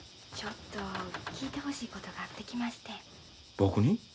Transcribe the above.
ちょっと聞いてほしいことがあって来ましてん。